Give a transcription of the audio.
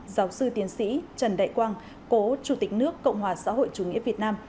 giáo sư tiến sĩ trần đại quang cố chủ tịch nước cộng hòa xã hội chủ nghĩa việt nam